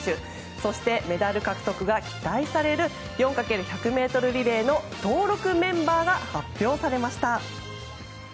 そして、メダル獲得が期待される４×１００ｍリレーの登録メンバーが発表されました。